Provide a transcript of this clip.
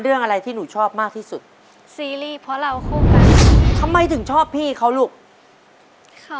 เป็นตอนต่างจากท่านมีเดือนหรือ